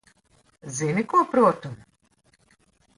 Zini, ko protu?